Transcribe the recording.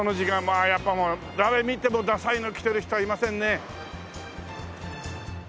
ああやっぱもう誰見てもダサいの着てる人はいませんね。